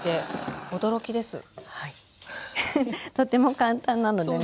とても簡単なのでね。